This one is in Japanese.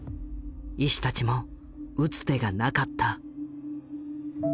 医師たちも打つ手がなかった。